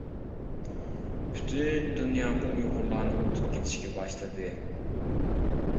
پۈتۈن دۇنيامۇ ئۇيغۇرلارنى ئۇنتۇپ كېتىشكە باشلىدى.